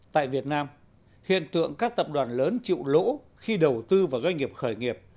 tại việt nam hiện tượng các tập đoàn lớn chịu lỗ khi đầu tư vào doanh nghiệp khởi nghiệp